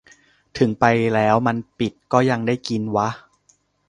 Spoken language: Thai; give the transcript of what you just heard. ถึงไปแล้วมันปิด ก็ยังได้กิน วะ